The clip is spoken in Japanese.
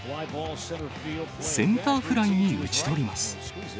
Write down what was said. センターフライに打ち取ります。